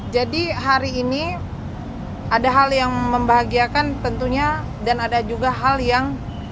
jadi hari ini ada hal yang membahagiakan tentunya dan ada juga hal yang membuat kami kecewa